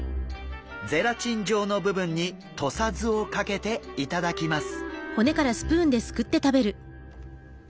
ゼラチン状の部分に土佐酢をかけて頂きます。